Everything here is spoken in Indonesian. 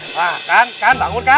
nah kan kan bangun kan